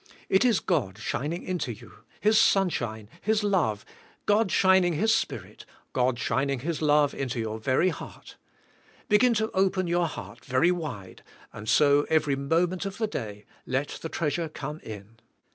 It is God shining into you, His sunshine, His love, God shin ing His Spirit, God shining His love into your very heart; begin to open your heart very wide, and so, every moment of the day, let the treasure come in.